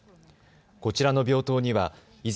こちらの病棟には以前、